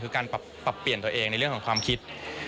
คือการปรับเปลี่ยนตัวเองในเรื่องของความคิด